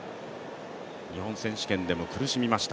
日本選手権でも苦しみました。